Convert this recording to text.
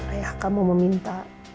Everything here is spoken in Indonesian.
ayah kamu meminta